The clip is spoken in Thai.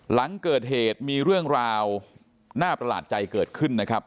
หลังเกิดเหตุมีเรื่องราวน่าประหลาดใจเกิดขึ้นนะครับ